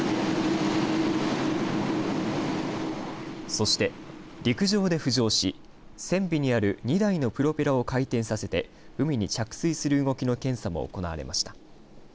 そして、陸上で浮上し船尾にある２台のプロペラを回転させて海に着水する動きの検査も行われました。